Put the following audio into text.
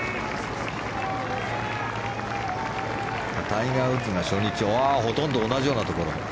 タイガー・ウッズが初日ほとんど同じようなところ。